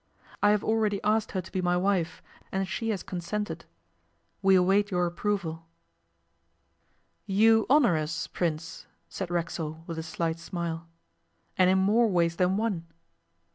I have already asked her to be my wife, and she has consented. We await your approval.' 'You honour us, Prince,' said Racksole with a slight smile, 'and in more ways than one.